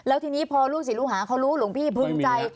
แล้วที่นี้พอลูกศิรุหาเขารู้ลุงพี่พึงใจ